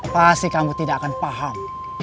pasti kamu tidak akan paham